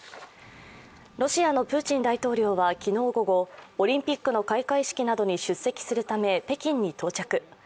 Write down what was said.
ロシアのプーチン大統領は昨日午後オリンピックの開会式などに出席するため北京に到着。